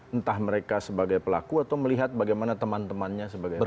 entah mereka sebagai pelaku atau melihat bagaimana teman temannya sebagai tersangka